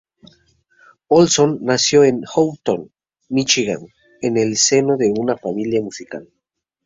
Olsson nació en Houghton, Michigan en el seno de una familia musical.